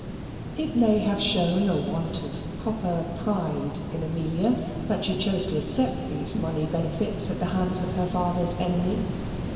It may have shown a want of "proper pride" in Amelia that she chose to accept these money benefits at the hands of her father's enemy.